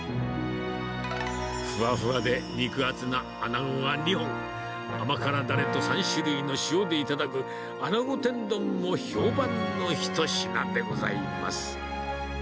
ふわふわで肉厚なアナゴが２本、甘辛だれと３種類の塩で頂く、アナゴ天丼も評判の一品でございます。